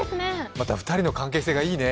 また２人の関係性がいいね。